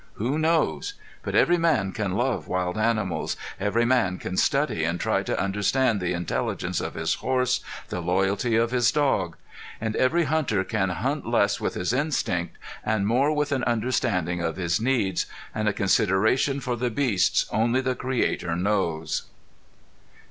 Who knows! But every man can love wild animals. Every man can study and try to understand the intelligence of his horse, the loyalty of his dog. And every hunter can hunt less with his instinct, and more with an understanding of his needs, and a consideration for the beasts only the creator knows.